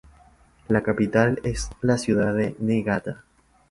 La capital es la ciudad de Niigata.